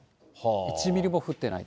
１ミリも降ってないと。